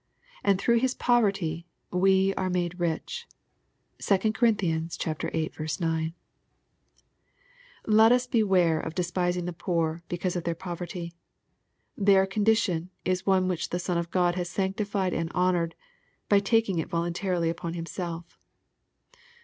And through His poverty we are made rich. (2 Cor. viii. 9.) Let us beware of despising the poor, because of their poverty. Their condition is one which the Son of God has sanctified and honored, by taking it voluntarily on Himself.